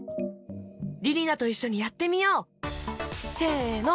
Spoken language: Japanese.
りりなといっしょにやってみよう！せの！